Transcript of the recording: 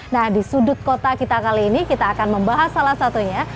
nah di sudut kota kita kali ini kita akan membahas salah satunya